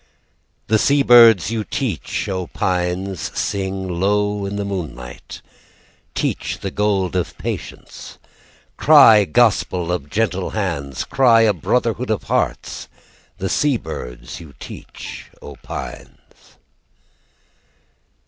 "The sea bids you teach, O Pines, "Sing low in the moonlight; "Teach the gold of patience, "Cry gospel of gentle hands, "Cry a brotherhood of hearts. "The sea bids you teach, O Pines."